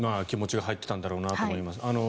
気持ちが入っていたんだろうなと思います。